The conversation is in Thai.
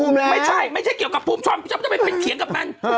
ไม่ใช่ไม่ใช่เกี่ยวกับภูมิทรองก็ต้องมันไปเคียงกับมันเออ